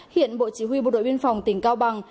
hiện bộ chỉ huy bộ đội biên phòng tỉnh cao bằng